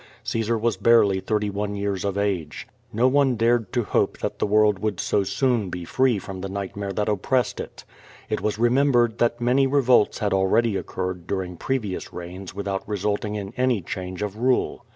Caesar was barely thirty one years of age. Xo one dared to hope that the woriW would so soon be free from the nightmare that opprvsi^ed it.^lt was remembered that many revolts had al reacv occurred fluring previous reigns without resulting in any change of rule.